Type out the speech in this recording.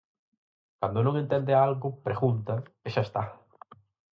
Cando non entende algo, pregunta, e xa está.